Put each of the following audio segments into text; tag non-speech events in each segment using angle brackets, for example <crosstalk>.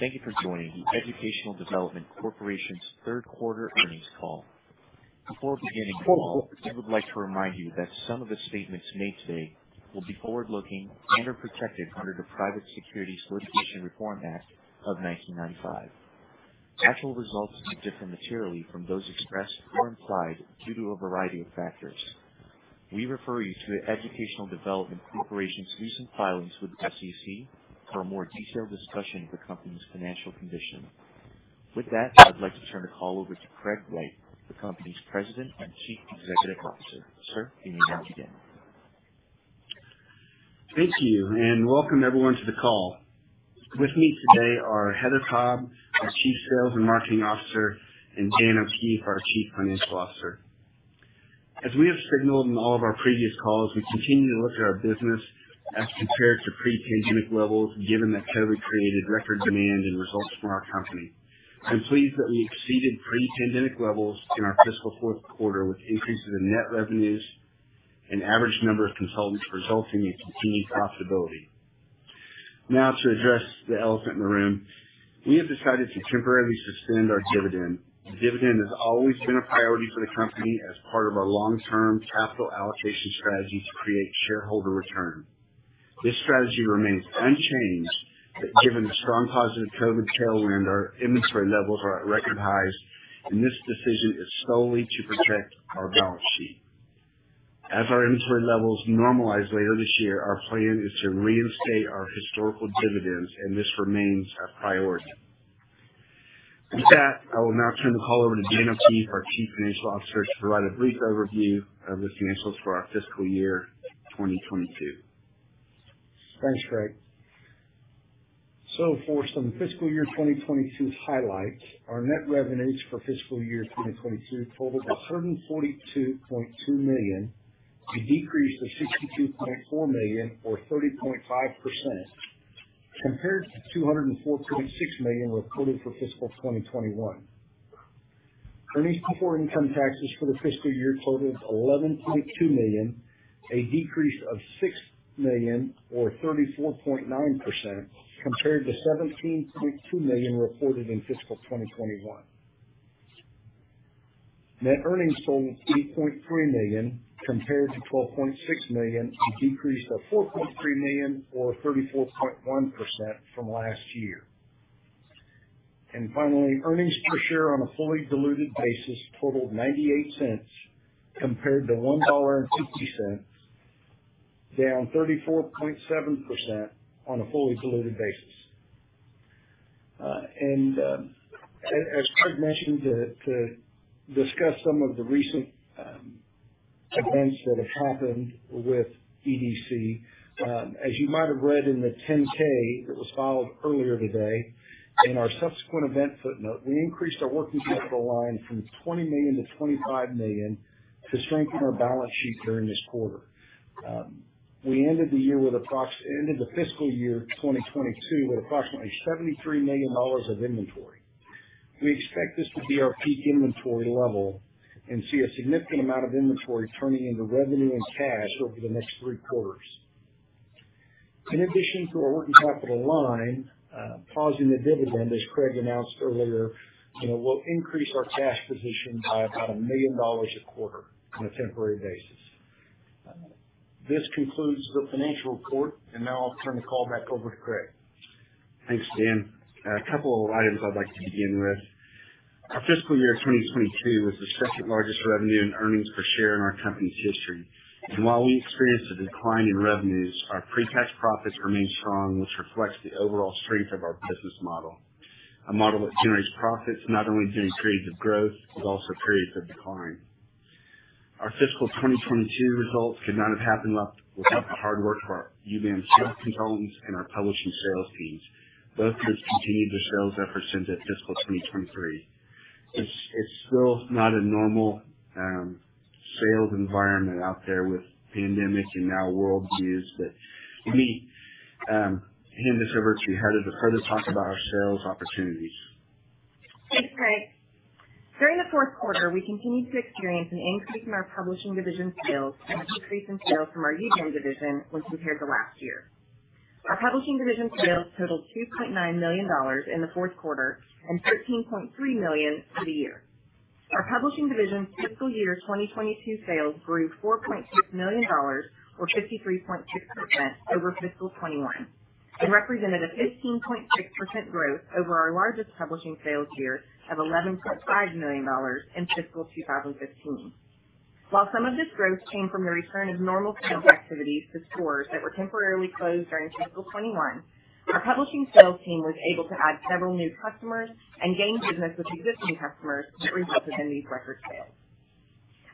Thank you for joining the Educational Development Corporation's Third Quarter Earnings Call. Before beginning the call, I would like to remind you that some of the statements made today will be forward-looking and are protected under the Private Securities Litigation Reform Act of 1995. Actual results may differ materially from those expressed or implied due to a variety of factors. We refer you to the Educational Development Corporation's recent filings with the SEC for a more detailed discussion of the company's financial condition. With that, I'd like to turn the call over to Craig White, the company's President and Chief Executive Officer. Sir, you may now begin. Thank you, and welcome everyone to the call. With me today are Heather Cobb, our Chief Sales and Marketing Officer, and Dan O'Keefe, our Chief Financial Officer. As we have signaled in all of our previous calls, we continue to look at our business as compared to pre-pandemic levels, given that COVID created record demand and results for our company. I'm pleased that we exceeded pre-pandemic levels in our fiscal fourth quarter with increases in net revenues and average number of consultants, resulting in continued profitability. Now to address the elephant in the room, we have decided to temporarily suspend our dividend. The dividend has always been a priority for the company as part of our long-term capital allocation strategy to create shareholder return. This strategy remains unchanged, but given the strong positive COVID tailwind, our inventory levels are at record highs, and this decision is solely to protect our balance sheet. As our inventory levels normalize later this year, our plan is to reinstate our historical dividends, and this remains our priority. With that, I will now turn the call over to Dan O'Keefe, our Chief Financial Officer, to provide a brief overview of the financials for our fiscal year 2022. Thanks, Craig. For some fiscal year 2022 highlights, our net revenues for fiscal year 2022 totaled $142.2 million, a decrease of $62.4 million or 30.5% compared to $204.6 million reported for fiscal 2021. Earnings before income taxes for the fiscal year totaled $11.2 million, a decrease of $6 million or 34.9% compared to $17.2 million reported in fiscal 2021. Net earnings totaled $8.3 million compared to $12.6 million, a decrease of $4.3 million or 34.1% from last year. Finally, earnings per share on a fully diluted basis totaled $0.98 compared to $1.50, down 34.7% on a fully diluted basis. As Craig mentioned, to discuss some of the recent events that have happened with EDC, as you might have read in the 10-K that was filed earlier today, in our subsequent event footnote, we increased our working capital line from $20 million to $25 million to strengthen our balance sheet during this quarter. We ended the fiscal year 2022 with approximately $73 million of inventory. We expect this to be our peak inventory level and see a significant amount of inventory turning into revenue and cash over the next three quarters. In addition to our working capital line, pausing the dividend, as Craig announced earlier, you know, will increase our cash position by about $1 million a quarter on a temporary basis. This concludes the financial report, and now I'll turn the call back over to Craig. Thanks, Dan. A couple of items I'd like to begin with. Our fiscal year 2022 was the second-largest revenue and earnings per share in our company's history. While we experienced a decline in revenues, our pre-tax profits remain strong, which reflects the overall strength of our business model. A model that generates profits not only during periods of growth, but also periods of decline. Our fiscal 2022 results could not have happened without the hard work for our [UBAM] sales consultants and our publishing sales teams. Both groups continued their sales efforts into fiscal 2023. It's still not a normal sales environment out there with pandemics and now world events. Let me hand this over to Heather for her to talk about our sales opportunities. Thanks, Craig. During the fourth quarter, we continued to experience an increase in our publishing division sales and a decrease in sales from our [PaperPie] division when compared to last year. Our publishing division sales totaled $2.9 million in the fourth quarter and $13.3 million for the year. Our publishing division fiscal year 2022 sales grew $4.6 million or 53.6% over fiscal 2021 and represented a 15.6% growth over our largest publishing sales year of $11.5 million in fiscal 2015. While some of this growth came from the return of normal sales activities to stores that were temporarily closed during fiscal 2021, our publishing sales team was able to add several new customers and gain business with existing customers that resulted in these record sales.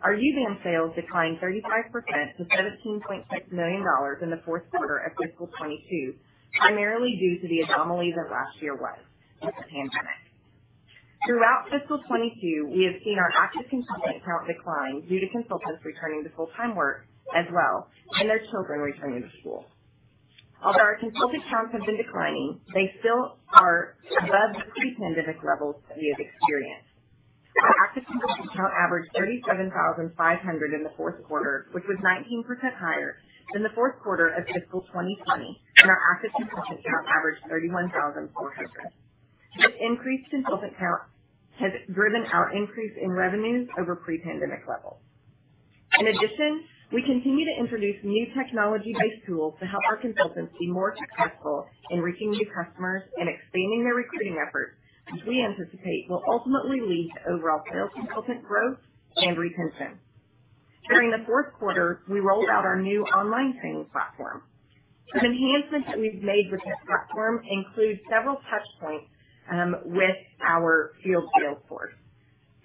Our [PaperPie] sales declined 35% to $17.6 million in the fourth quarter of fiscal 2022, primarily due to the anomaly that last year was with the pandemic. Throughout fiscal 2022, we have seen our active consultant count decline due to consultants returning to full-time work as well and their children returning to school. Although our consultant counts have been declining, they still are above the pre-pandemic levels we have experienced. Active consultant count averaged 37,500 in the fourth quarter, which was 19% higher than the fourth quarter of fiscal 2020 when our active consultant count averaged 31,400. This increased consultant count has driven our increase in revenues over pre-pandemic levels. In addition, we continue to introduce new technology-based tools to help our consultants be more successful in reaching new customers and expanding their recruiting efforts, which we anticipate will ultimately lead to overall sales consultant growth and retention. During the fourth quarter, we rolled out our new online training platform. Some enhancements that we've made with this platform include several touch points with our field sales force.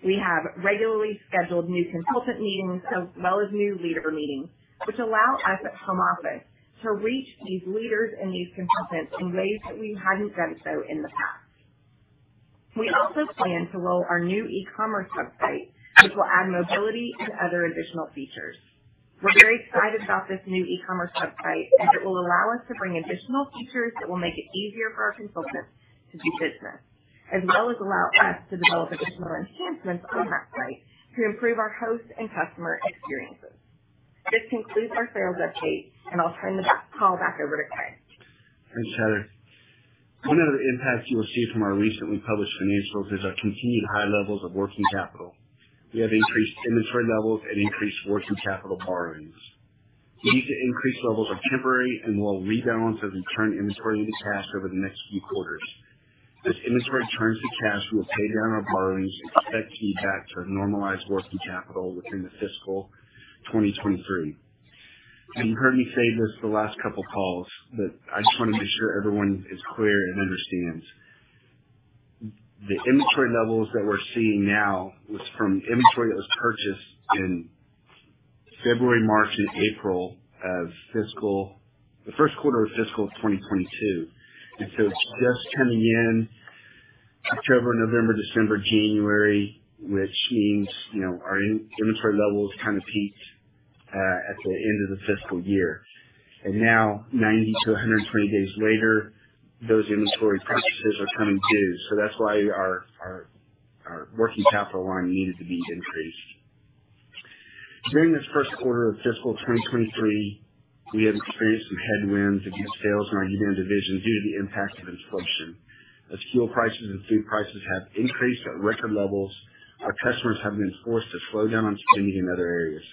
We have regularly scheduled new consultant meetings as well as new leader meetings, which allow us at home office to reach these leaders and these consultants in ways that we hadn't done so in the past. We also plan to roll our new e-commerce website, which will add mobility and other additional features. We're very excited about this new e-commerce website, as it will allow us to bring additional features that will make it easier for our consultants to do business, as well as allow us to develop additional enhancements on that site to improve our host and customer experiences. This concludes our sales update, and I'll turn the call back over to Craig. Thanks, Heather. One of the impacts you will see from our recently published financials is our continued high levels of working capital. We have increased inventory levels and increased working capital borrowings. These increased levels are temporary and will rebalance as we turn inventory into cash over the next few quarters. As inventory turns to cash, we will pay down our borrowings and expect to be back to a normalized working capital within fiscal 2023. You've heard me say this the last couple of calls, but I just wanna make sure everyone is clear and understands. The inventory levels that we're seeing now was from inventory that was purchased in February, March and April of fiscal 2022. It's just coming in October, November, December, January, which means, you know, our inventory levels kind of peaked at the end of the fiscal year. Now 90 to 120 days later, those inventory purchases are coming due. That's why our working capital line needed to be increased. During this first quarter of fiscal 2023, we have experienced some headwinds against sales in our UBAM division due to the impact of inflation. As fuel prices and food prices have increased at record levels, our customers have been forced to slow down on spending in other areas.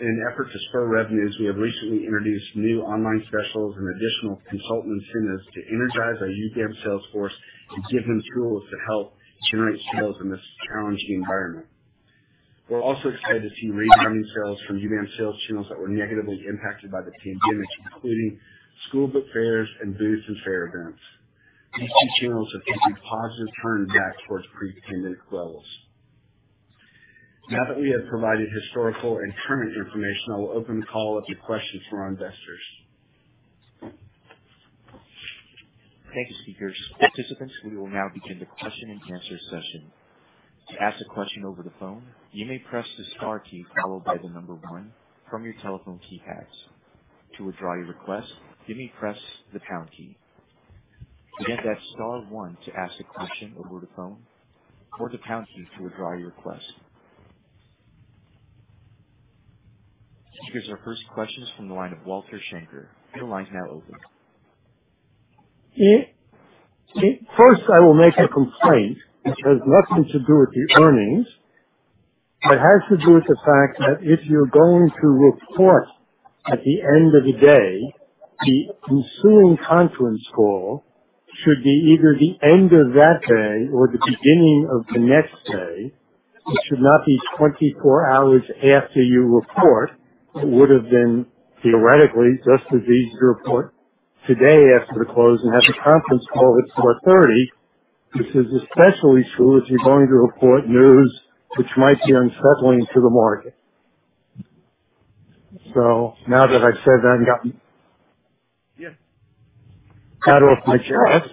In an effort to spur revenues, we have recently introduced new online specials and additional consultant incentives to energize our UBAM sales force and give them tools that help generate sales in this challenging environment. We're also excited to see rebounding sales from UBAM sales channels that were negatively impacted by the pandemic, including school book fairs and booths and fair events. These two channels are seeing positive turn back towards pre-pandemic levels. Now that we have provided historical and current information, I will open the call up to questions from our investors. Thank you, speakers. Participants, we will now begin the question and answer session. To ask a question over the phone, you may press the star key followed by the number one from your telephone keypads. To withdraw your request, you may press the pound key. Again, that's star one to ask a question over the phone or the pound key to withdraw your request. Here's our first question, it's from the line of Walter Schenker. Your line is now open. Yeah. First, I will make a complaint which has nothing to do with the earnings. It has to do with the fact that if you're going to report at the end of the day, the ensuing conference call should be either the end of that day or the beginning of the next day. It should not be 24 hours after you report. It would have been theoretically just as easy to report today after the close and have the conference call at 4:30 P.M., which is especially true if you're going to report news which might be unsettling to the market. Now that I've said that and gotten- Yeah. That's off my chest.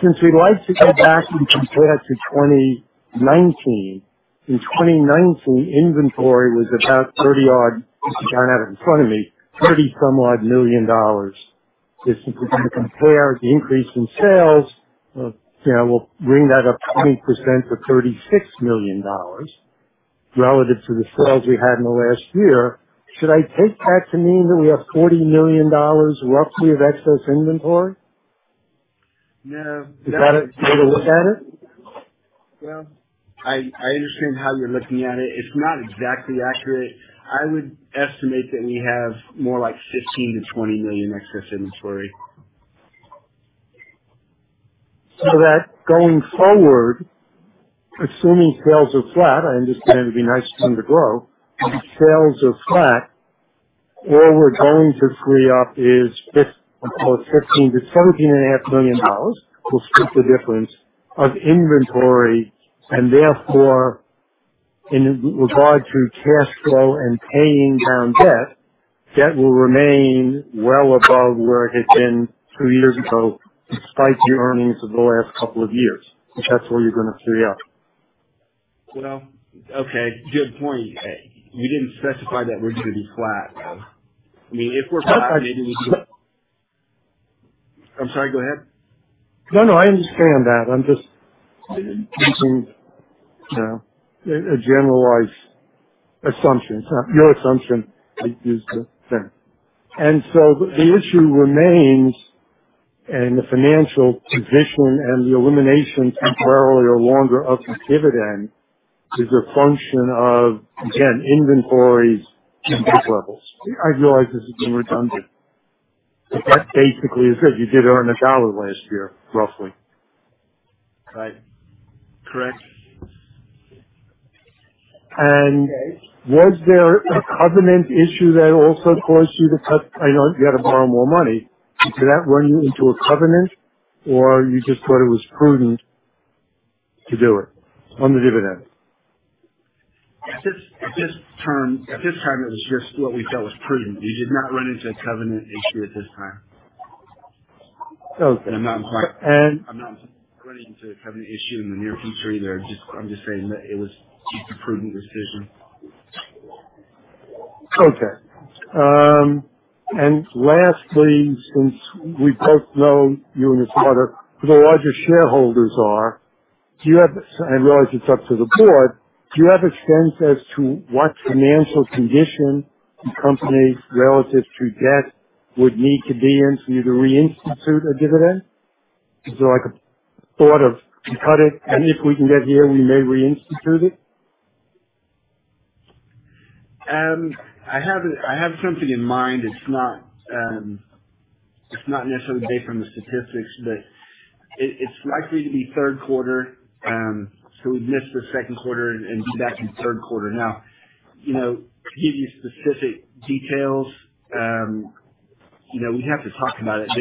Since we like to go back and compare to 2019, in 2019, inventory was about $30 million, don't have it in front of me, $30 million. If we compare the increase in sales, you know, we'll bring that up 20% to $36 million relative to the sales we had in the last year. Should I take that to mean that we have $40 million roughly of excess inventory? No. Is that a way to look at it? Well, I understand how you're looking at it. It's not exactly accurate. I would estimate that we have more like $15 million-$20 million excess inventory. That going forward, assuming sales are flat, I understand it'd be nice for them to grow. If sales are flat, all we're going to free up is $15 million-$17.5 million. We'll split the difference of inventory and therefore in regard to cash flow and paying down debt will remain well above where it had been two years ago, despite the earnings of the last couple of years. That's where you're gonna free up. Well, okay, good point. You didn't specify that we're gonna be flat, though. I mean, if we're flat, I'm sorry, go ahead. No, no, I understand that. I'm just using, you know, a generalized assumption. Your assumption is the same. The issue remains, and the financial position and the elimination temporarily or longer of the dividend is a function of, again, inventories and book levels. I realize this is being redundant, but that basically is it. You did earn $1 last year, roughly. Right? Correct. Was there a covenant issue that also caused you to cut, I know you had to borrow more money. Did that run you into a covenant or you just thought it was prudent to do it on the dividend? At this time, it was just what we felt was prudent. We did not run into a covenant issue at this time. I'm not running into a covenant issue in the near future either. I'm just saying that it was just a prudent decision. Okay. Lastly, since we both know you and your sister, who the largest shareholders are, do you have, I realize it's up to the board. Do you have a sense as to what financial condition the company relative to debt would need to be in for you to reinstitute a dividend? Is there like a thought of, we cut it, and if we can get here, we may reinstitute it? I have something in mind. It's not necessarily based on the statistics, but it's likely to be third quarter. We've missed the second quarter and so that's in third quarter. Now, you know, to give you specific details, you know, we'd have to talk about it, but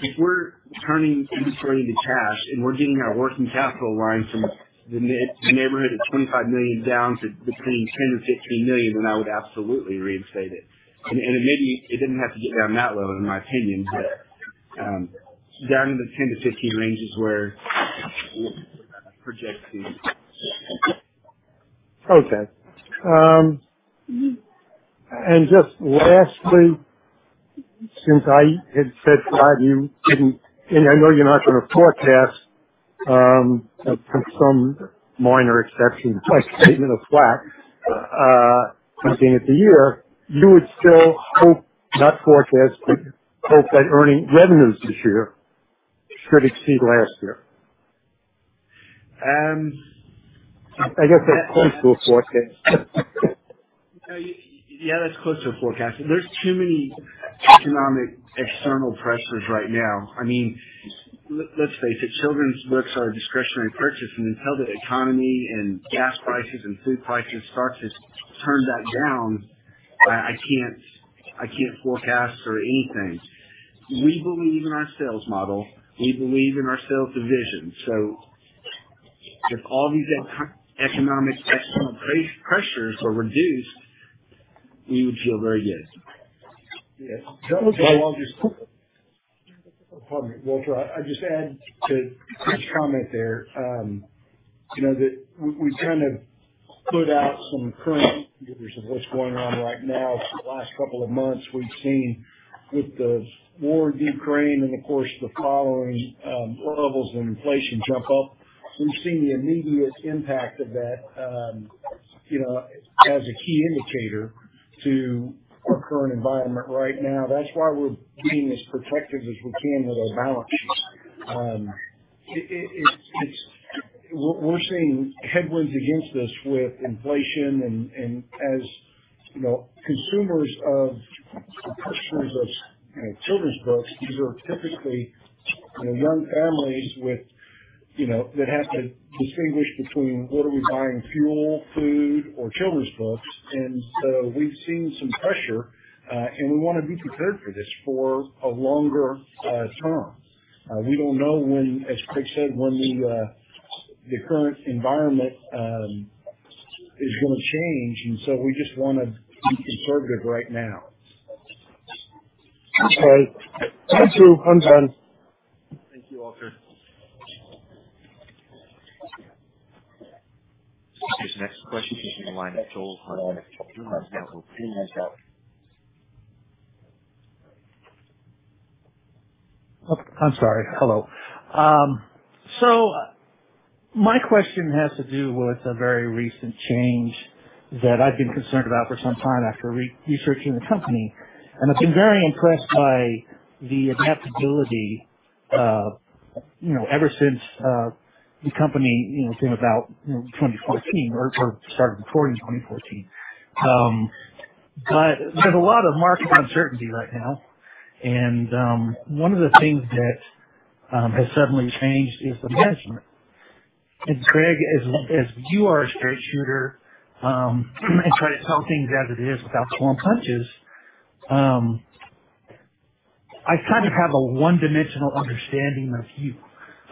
if we're turning inventory into cash, and we're getting our working capital line from the neighborhood of $25 million down to between $10-$15 million, then I would absolutely reinstate it. It may be it doesn't have to get down that low, in my opinion, but down in the $10-$15 range is where we're projecting. Okay. Just lastly, since I had said that you didn't, and I know you're not gonna forecast, apart from some minor exception, my statement of fact, at the beginning of the year, you would still hope, not forecast, but hope that earning revenues this year should exceed last year. Um. I guess that's close to a forecast. Yeah, yeah, that's close to a forecast. There's too many economic external pressures right now. I mean, let's face it, children's books are a discretionary purchase, and until the economy and gas prices and food prices start to turn that down, I can't forecast for anything. We believe in our sales model. We believe in our sales division. If all these economic external pressures were reduced, we would feel very good. Yeah. That was my longest. Pardon me, Walter. I just add to Craig's comment there, you know, that we've kind of put out some current indicators of what's going on right now. For the last couple of months, we've seen with the war in Ukraine and of course, the following oil levels and inflation jump up. We've seen the immediate impact of that, you know, as a key indicator to our current environment right now. That's why we're being as protective as we can with our balance sheet. We're seeing headwinds against us with inflation and as you know, consumers of or purchasers of, you know, children's books, these are typically, you know, young families with, you know, that have to distinguish between whether we're buying fuel, food or children's books. We've seen some pressure, and we wanna be prepared for this for a longer term. We don't know when, as Craig said, when the current environment is gonna change. We just wanna be conservative right now. All right. I'm through. I'm done. Thank you, Walter. Let's take this next question from the line of [Joel Hardman of Truxton Capital]. Please go ahead. Oh, I'm sorry. Hello. My question has to do with a very recent change that I've been concerned about for some time after re-researching the company. I've been very impressed by the adaptability, you know, ever since the company, you know, since about 2014 or starting before 2014. There's a lot of market uncertainty right now. One of the things that has suddenly changed is the management. Craig, as you are a straight shooter, and try to tell things as it is without pulling punches, I kind of have a one-dimensional understanding of you.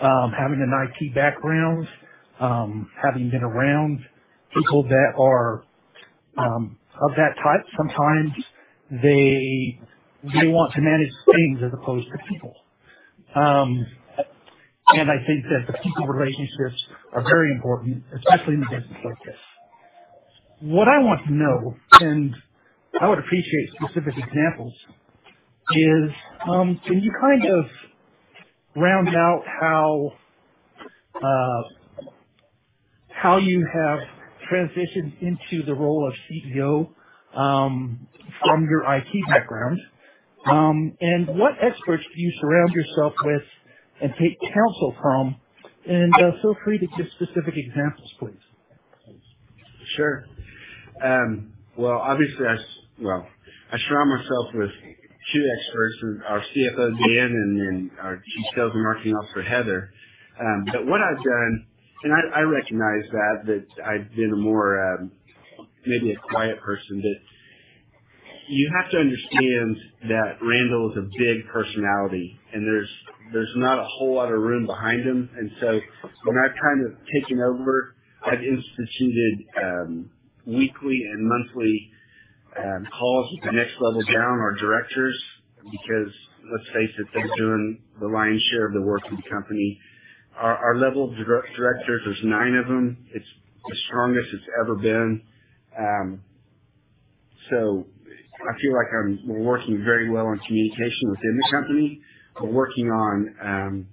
Having an IT background, having been around people that are of that type, sometimes they want to manage things as opposed to people. I think that the people relationships are very important, especially in a business like this. What I want to know, and I would appreciate specific examples, is, can you kind of round out how you have transitioned into the role of CEO, from your IT background, and what experts do you surround yourself with and take counsel from? Feel free to give specific examples, please. Sure. Well, obviously I surround myself with two experts, our CFO, Jay, and then our chief sales and marketing officer, Heather. What I've done, I recognize that I've been a more, maybe a quiet person, but you have to understand that Randall is a big personality and there's not a whole lot of room behind him. When I've kind of taken over, I've instituted weekly and monthly calls with the next level down, our directors, because let's face it, they're doing the lion's share of the work in the company. Our level of directors, there's nine of them. It's the strongest it's ever been. So I feel like I'm working very well on communication within the company. We're working on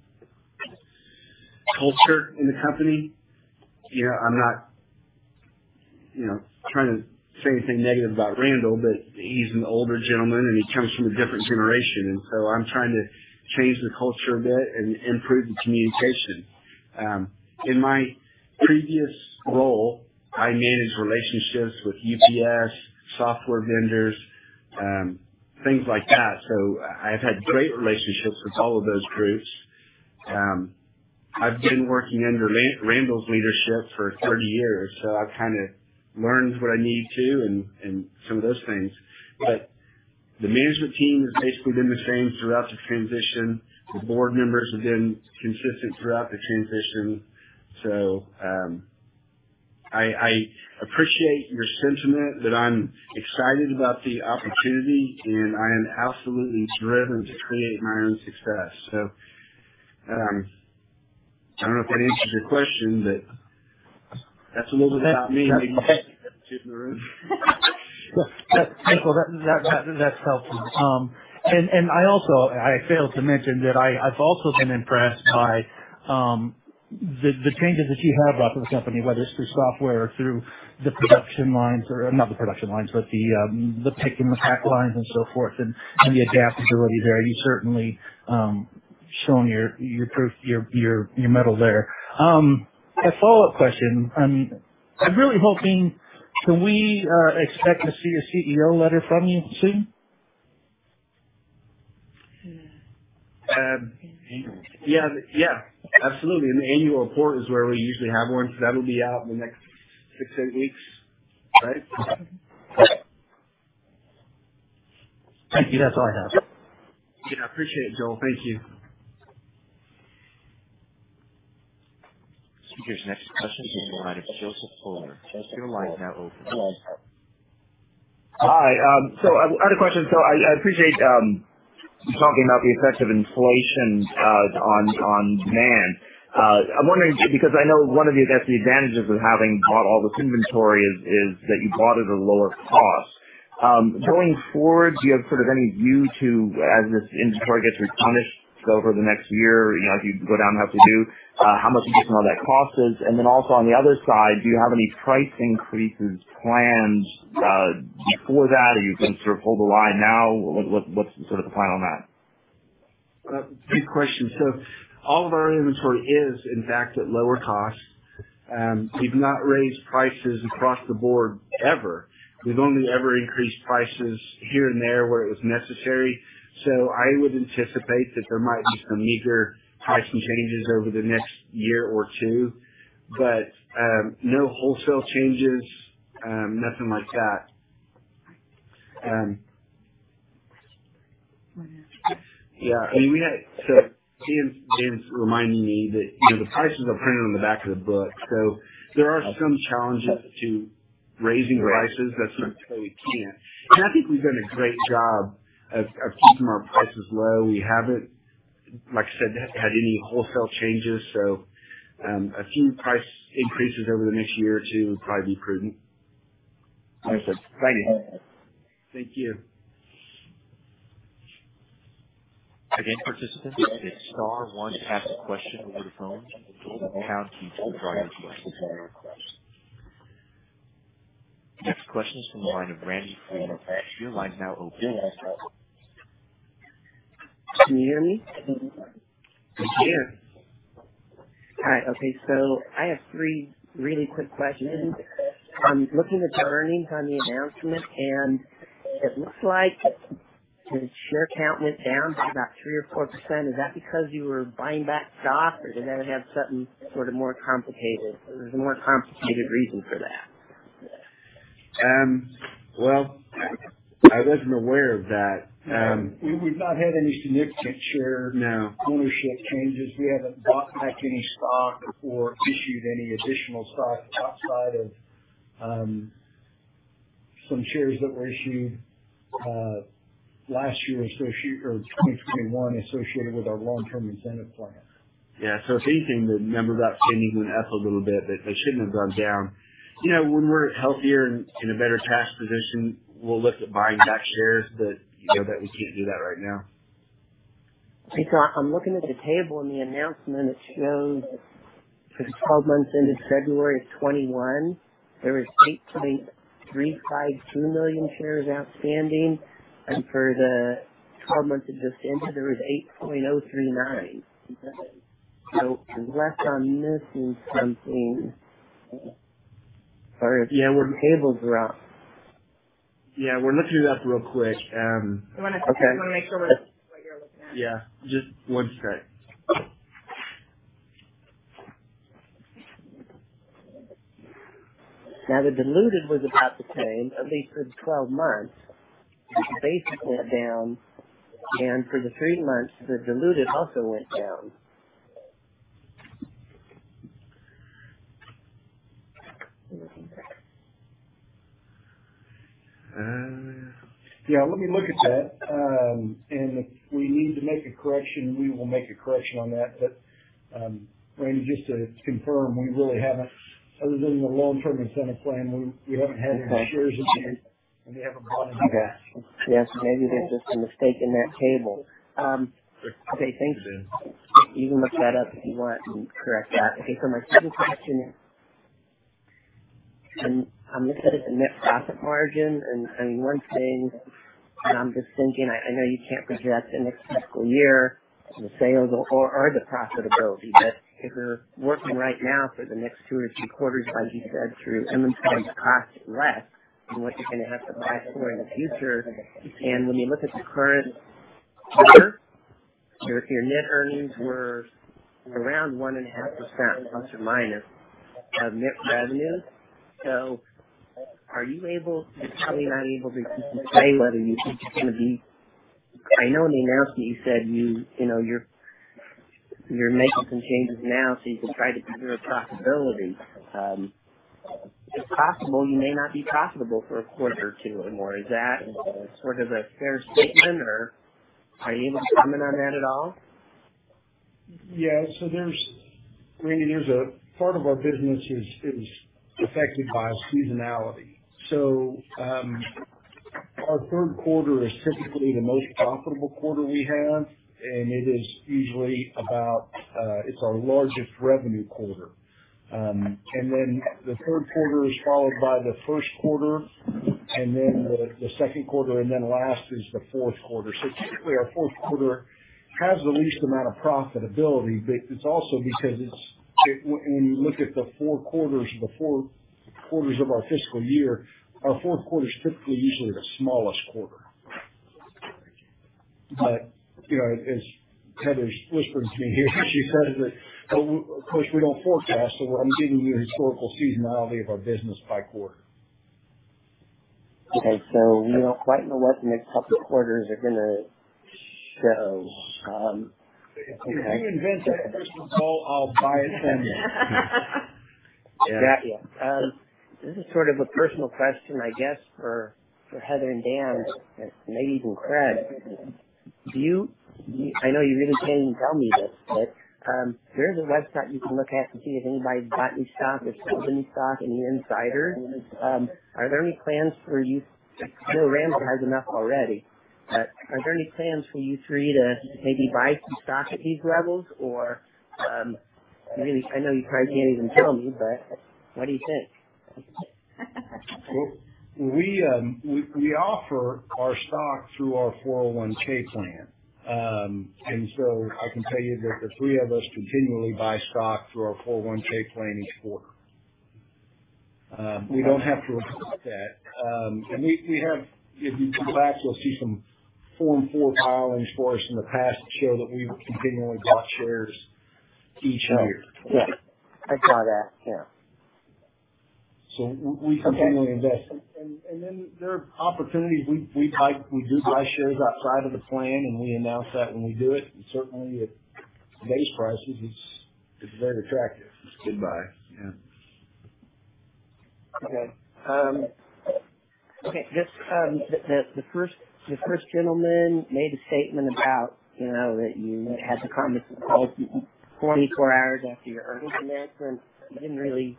culture in the company. You know, I'm not, you know, trying to say anything negative about Randall, but he's an older gentleman and he comes from a different generation, and so I'm trying to change the culture a bit and improve the communication. In my previous role, I managed relationships with UPS, software vendors, things like that. I've had great relationships with all of those groups. I've been working under Randall's leadership for 30 years, so I've kinda learned what I need to and some of those things. The management team has basically been the same throughout the transition. The board members have been consistent throughout the transition. I appreciate your sentiment that I'm excited about the opportunity and I am absolutely driven to create my own success. I don't know if that answers your question, but that's a little bit about me. Maybe you see the kid in the room. Yeah. That's helpful. I also failed to mention that I've also been impressed by the changes that you have brought to the company, whether it's through software or through the production lines, not the production lines, but the pick and the pack lines and so forth and the adaptability there. You certainly shown your mettle there. A follow-up question. I'm really hoping, can we expect to see a CEO letter from you soon? Yeah, absolutely. In the annual report is where we usually have one. That'll be out in the next six to eight weeks. Right? Thank you. That's all I have. Yeah, I appreciate it, Joel. Thank you. Speaker's next question is on the line of Joseph Fuller. Your line is now open. Hi. I had a question. I appreciate you talking about the effects of inflation on demand. I'm wondering because I know one of the, I guess, the advantages of having bought all this inventory is that you bought at a lower cost. Going forward, do you have sort of any view to as this inventory gets replenished over the next year? You know, as you go down, how much you think some of that cost is? And then also on the other side, do you have any price increases planned for that? Are you going to sort of hold the line now? What's sort of the plan on that? Good question. All of our inventory is in fact at lower cost. We've not raised prices across the board ever. We've only ever increased prices here and there where it was necessary. I would anticipate that there might be some meager pricing changes over the next year or two, but, no wholesale changes, nothing like that. Yeah, I mean, Dan's reminding me that, you know, the prices are printed on the back of the book, so there are some challenges to raising prices. That's not to say we can't. I think we've done a great job of keeping our prices low. We haven't, like I said, had any wholesale changes. A few price increases over the next year or two would probably be prudent. Understood. Thank you. Thank you. Again, participants hit star one to ask a question over the phone. The floor will be open to the product line. Next question is from the line of [Randy Freeman]. Your line is now open. Can you hear me? We can. Hi. Okay. I have three really quick questions. I'm looking at the earnings on the announcement, and it looks like the share count went down by about 3 or 4%. Is that because you were buying back stock or did that have something sort of more complicated, a more complicated reason for that? Well, I wasn't aware of that. We've not had any significant share- No. Ownership changes. We haven't bought back any stock or issued any additional stock outside of, Some shares that were issued last year or 2021 associated with our long-term incentive plan. Yeah. If anything, the number got changed in the filing a little bit, but they shouldn't have gone down. You know, when we're healthier and in a better tax position, we'll look at buying back shares. You know that we can't do that right now. I'm looking at the table in the announcement. It shows for the twelve months ended February of 2021, there was 8.352 million shares outstanding. For the twelve months it just ended, there was 8.039. Unless I'm missing something. Sorry. Yeah. When the tables are out. Yeah, we're looking at that real quick. We wanna make sure what you're looking at. Yeah, just one sec. Now, the diluted was about the same, at least for the 12 months. Basic went down, and for the three months, the diluted also went down. Um. Yeah, let me look at that. If we need to make a correction, we will make a correction on that. Randy, just to confirm, we really haven't other than the long-term incentive plan, we haven't had any shares issued, and we haven't bought any back. Okay. Yes. Maybe there's just a mistake in that table. I think so. You can look that up if you want and correct that. Okay. My second question, I'm gonna set up the net profit margin. I mean, one thing I'm just thinking, I know you can't project the next fiscal year, the sales or the profitability, but if we're working right now for the next two or three quarters, like you said, through inventory that costs less than what you're gonna have to buy for in the future. When you look at the current year, your net earnings were around 1.5%±, of net revenue. You're probably not able to say whether you think you're gonna be. I know in the announcement you said you know you're making some changes now, so you can try to preserve profitability. If possible, you may not be profitable for a quarter or two or more. Is that sort of a fair statement or are you able to comment on that at all? Yeah. There's, Randy, a part of our business is affected by seasonality. Our third quarter is typically the most profitable quarter we have, and it is usually about it's our largest revenue quarter. And then the third quarter is followed by the first quarter, and then the second quarter, and then last is the fourth quarter. Typically our fourth quarter has the least amount of profitability. It's also because when you look at the four quarters, the four quarters of our fiscal year, our fourth quarter is typically usually the smallest quarter. You know, as Heather's whispering to me here, she says that of course we don't forecast. What I'm giving you is historical seasonality of our business by quarter. Okay. We don't quite know what the next couple quarters are gonna show. Okay. If you invent a [coal], I'll buy it then. Yeah. This is sort of a personal question, I guess, for Heather and Dan, and maybe even Craig. I know you really can't even tell me this, but there is a website you can look at to see if anybody's bought any stock or sold any stock, any insider. Are there any plans for you? I know Randy has enough already. Are there any plans for you three to maybe buy some stock at these levels or, maybe I know you probably can't even tell me, but what do you think? Well, we offer our stock through our 401(k) plan. I can tell you that the three of us continually buy stock through our 401(k) plan each quarter. We don't have to report that. If you go back, you'll see some Form 4 filings for us in the past that show that we've continually bought shares each year. Yeah. I saw that. Yeah. We continually invest. There are opportunities we do buy shares outside of the plan, and we announce that when we do it. Certainly at today's prices, it's very attractive. It's a good buy. Yeah. Okay. Just, the first gentleman made a statement about, you know, that you had the conference call 24 hours after your earnings announcement. He didn't really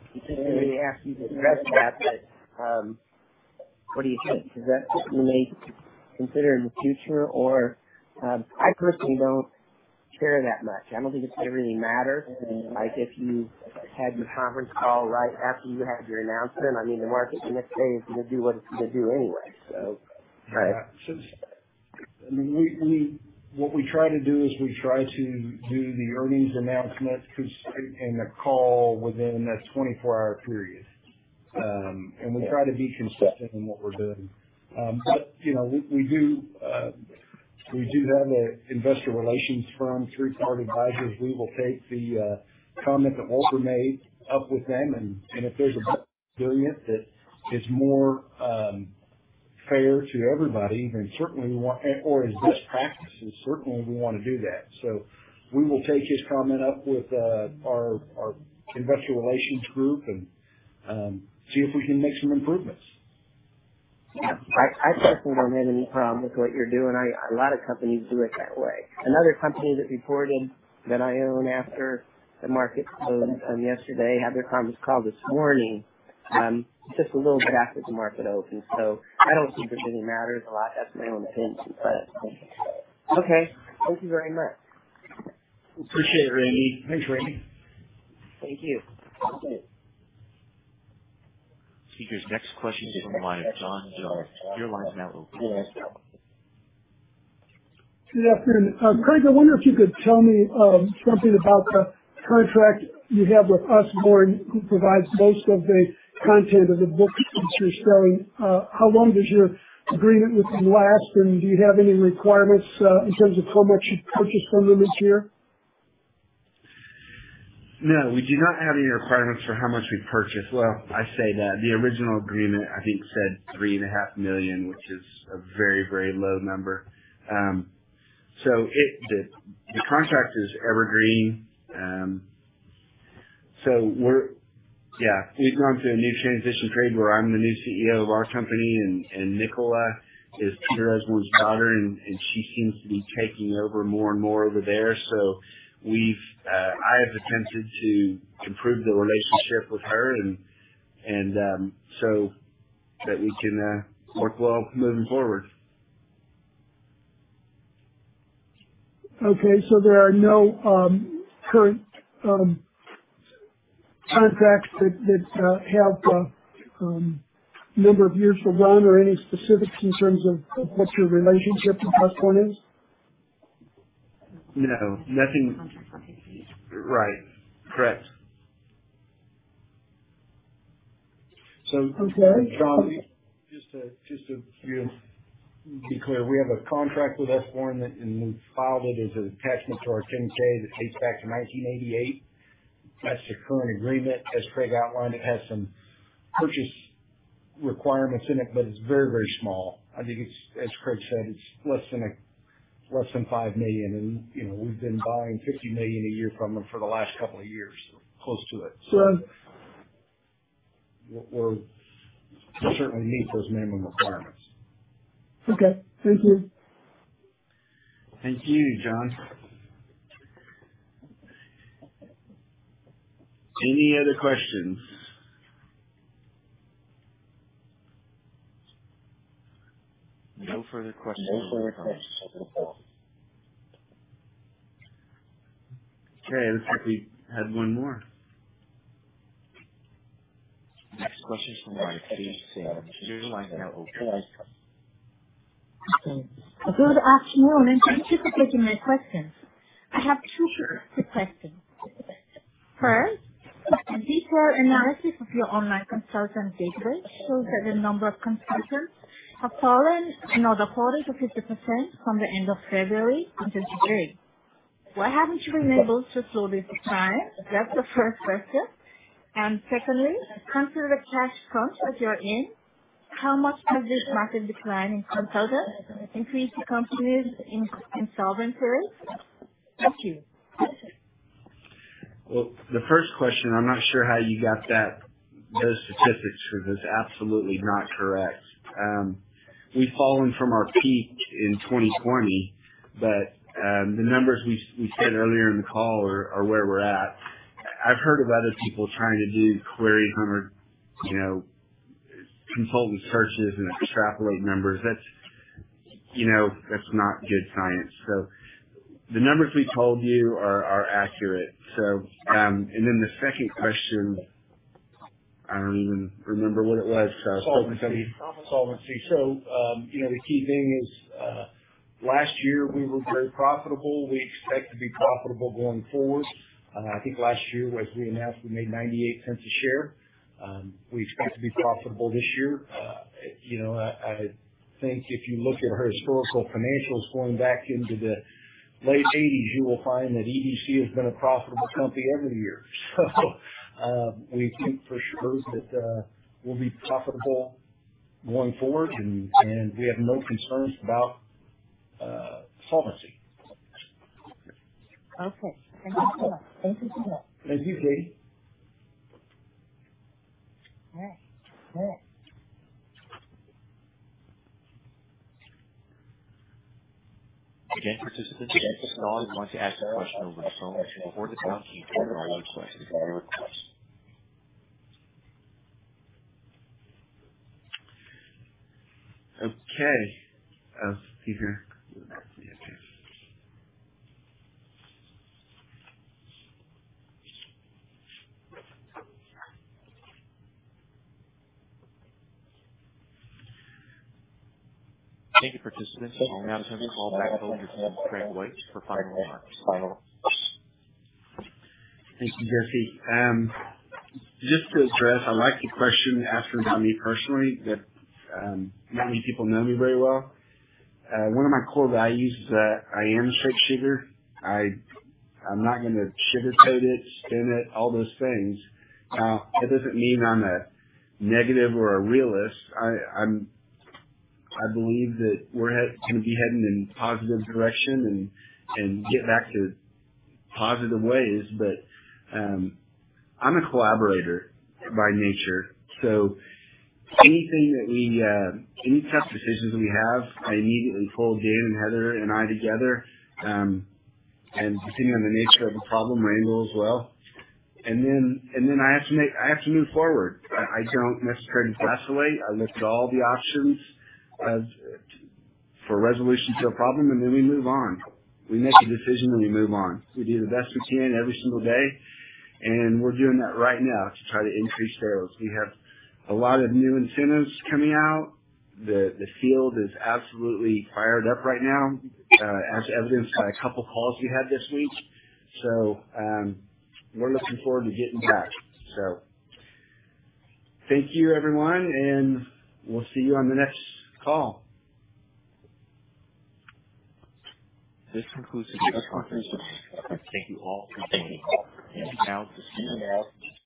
ask you to address that, but what do you think? Is that something you may consider in the future or I personally don't care that much. I don't think it's gonna really matter. Like, if you had your conference call right after you had your announcement, I mean, the market the next day is gonna do what it's gonna do anyway. Yeah. I mean, what we try to do is we try to do the earnings announcement and the call within that 24-hour period. We try to be consistent in what we're doing. But, you know, we do have an investor relations firm, Three Part Advisors. We will take the comment that Walter made up with them. If there's a better way of doing it that is more fair to everybody, or is best practice, then certainly we want to do that. We will take his comment up with our investor relations group and see if we can make some improvements. Yeah. I personally don't have any problem with what you're doing. A lot of companies do it that way. Another company that reported that I own after the market closed, yesterday, had their conference call this morning, just a little bit after the market opened. I don't think it really matters a lot. That's my own opinion, but okay. Thank you very much. Appreciate it, Randy. Thanks, Randy. Thank you. Operator, next question is from the line of John Jones. Your line is now open. Good afternoon. Craig, I wonder if you could tell me something about the contract you have with Usborne, who provides most of the content of the books that you're selling. How long does your agreement with them last, and do you have any requirements in terms of how much you purchase from them each year? No, we do not have any requirements for how much we purchase. Well, I say that. The original agreement, I think, said $3.5 million, which is a very, very low number. The contract is evergreen. We've gone through a new transition period where I'm the new CEO of our company and Nicola is Peter Usborne's daughter, and she seems to be taking over more and more over there. I have attempted to improve the relationship with her and so that we can work well moving forward. Okay. There are no current contracts that have number of years alone or any specifics in terms of what your relationship with Usborne is? No, nothing. Right. Correct. John, just to be clear, we have a contract with Usborne that and we've filed it as an attachment to our 10-K that dates back to 1988. That's the current agreement. As Craig outlined, it has some purchase requirements in it, but it's very, very small. I think it's, as Craig said, it's less than $5 million. You know, we've been buying $50 million a year from them for the last couple of years, close to it. Sure. We're certainly meeting those minimum requirements. Okay. Thank you. Thank you, John. Any other questions? No further questions. Okay. It looks like we have one more. Next question is from the line of Katie Sam. Your line is now open. Good afternoon, and thank you for taking my questions. I have two questions. First, a detailed analysis of your online consultant business shows that the number of consultants have fallen another 40%-50% from the end of February until today. Why haven't you been able to slow this decline? That's the first question. Secondly, considering the cash crunch that you're in, how much has this market decline in consultants increased the company's insolvency? Thank you. Well, the first question, I'm not sure how you got that, those statistics, because it's absolutely not correct. We've fallen from our peak in 2020, but the numbers we said earlier in the call are where we're at. I've heard of other people trying to do query from our, you know, consultant searches and extrapolate numbers. That's, you know, that's not good science. The numbers we told you are accurate. The second question, I don't even remember what it was. Solvency. You know, the key thing is, last year we were very profitable. We expect to be profitable going forward. I think last year, as we announced, we made $0.98 a share. We expect to be profitable this year. You know, I think if you look at our historical financials going back into the late 1980, you will find that EDC has been a profitable company every year. We think for sure that we'll be profitable going forward. We have no concerns about solvency. Okay. Thank you. Thank you, Katie. Again, participants, if you would like to ask a question over the phone or to talk, you can press star one twice. Okay. Thank you, participants. We'll now turn the call back over to Craig White for final remarks. Thank you, [Jeremy]. Just to address, I like the question asked from <audio distortion> personally that not many people know me very well. One of my core values is that I am a straight shooter. I'm not gonna sugarcoat it, spin it, all those things. It doesn't mean I'm a negative or a realist. I believe that we're gonna be heading in a positive direction and get back to positive ways. I'm a collaborator by nature, so any tough decisions we have, I immediately pull Dan and Heather and I together. Depending on the nature of the problem, my angles as well. I have to move forward. I don't necessarily procrastinate. I look at all the options, for resolution to a problem, and then we move on. We make a decision, and we move on. We do the best we can every single day, and we're doing that right now to try to increase sales. We have a lot of new incentives coming out. The field is absolutely fired up right now, as evidenced by a couple calls we had this week. We're looking forward to getting back. Thank you, everyone, and we'll see you on the next call. This concludes today's conference. Thank you all for participating. You may now disconnect.